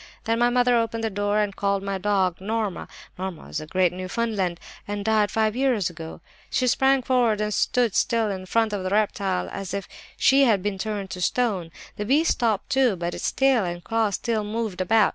"Then my mother opened the door and called my dog, Norma. Norma was a great Newfoundland, and died five years ago. "She sprang forward and stood still in front of the reptile as if she had been turned to stone. The beast stopped too, but its tail and claws still moved about.